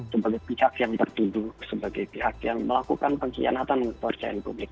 sebagai pihak yang bertuduh sebagai pihak yang melakukan pengkhianatan kepercayaan publik